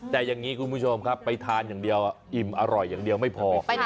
แต่อย่างนี้คุณผู้ชมครับไปทานอย่างเดียวอิ่มอร่อยอย่างเดียวไม่พอ